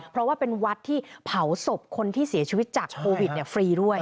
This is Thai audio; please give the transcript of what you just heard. เพราะว่าเป็นวัดที่เผาศพคนที่เสียชีวิตจากโควิดฟรีด้วย